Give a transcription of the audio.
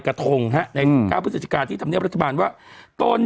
กระทงฮะในข้าวพฤศิกาที่ทำเนี้ยประรัฐบาลว่าตรง